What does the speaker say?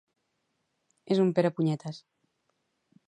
És un pere punyetes